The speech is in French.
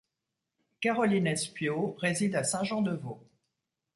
Caroline Espiau réside à Saint-Jean-de-Vaulx.